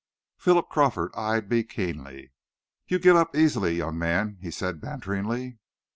Philip Crawford eyed me keenly. "You give up easily, young man," he said banteringly.